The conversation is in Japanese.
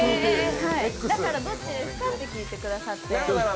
だから、どっちですか？って聞いてくださって。